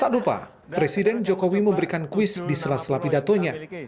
tak lupa presiden jokowi memberikan kuis di selas selapidatonya